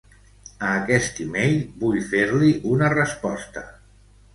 A aquest e-mail vull fer-li una resposta.